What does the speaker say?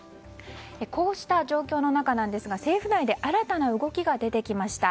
こうした状況の中なんですが政府内で新たな動きが出てきました。